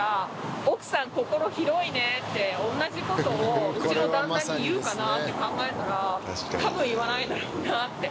おんなじことをうちの旦那に言うかなって考えたらたぶん言わないだろうなって。